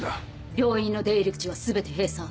病院の出入り口は全て閉鎖。